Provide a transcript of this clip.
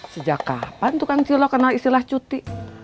sejak kapan tukang cilo kenal istilah cuti